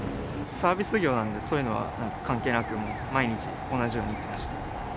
サービス業なんで、そういうのは関係なく、もう毎日同じようにしていた。